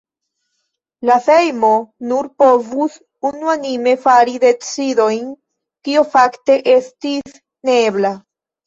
La Sejmo nur povus unuanime fari decidojn, kio fakte estis ne ebla.